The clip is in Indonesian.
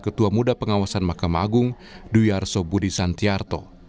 ketua muda pengawasan makam agung duyar sobudi santiarto